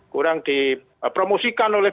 kurang dipromosikan oleh